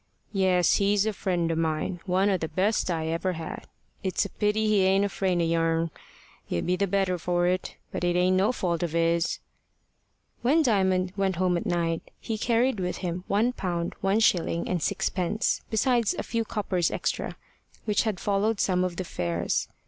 "Yes, he is a friend o' mine. One o' the best I ever had. It's a pity he ain't a friend o' yourn. You'd be the better for it, but it ain't no fault of hisn." When Diamond went home at night, he carried with him one pound one shilling and sixpence, besides a few coppers extra, which had followed some of the fares.